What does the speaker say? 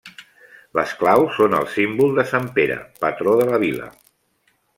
Les claus són el símbol de sant Pere, patró de la vila.